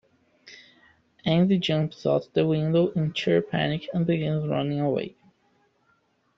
Andy jumps out the window in sheer panic and begins running away.